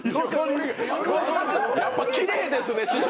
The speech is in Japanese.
やっぱきれいですね、師匠。